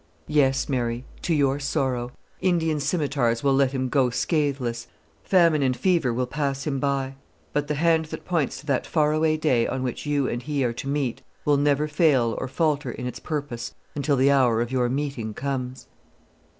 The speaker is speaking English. Yes, Mary, to your sorrow! Indian scimitars will let him go scatheless; famine and fever will pass him by; but the hand which points to that far away day on which you and he are to meet, will never fail or falter in its purpose until the hour of your meeting comes.